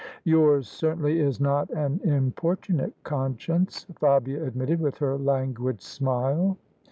"Yours certainly is not an importunate conscience," Fabia admitted, with her languid smile.